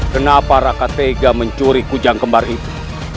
kenapa raka tega mencuri kujang kembar itu